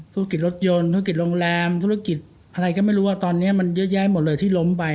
ธุรกิจรถยนต์ธุรกิจโรงแรมธุรกิจอะไรก็ไม่รู้ว่าตอนนี้มันเยอะแยะหมดเลยที่ล้มไป